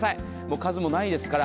数もないですから。